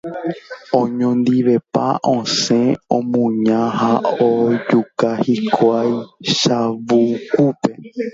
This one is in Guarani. oñondivepa osẽ omuña ha ojuka hikuái Chavukúpe.